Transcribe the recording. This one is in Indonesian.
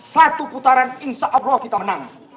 satu putaran insya allah kita menang